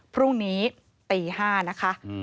พรุ่งนี้ตี๕นะคะ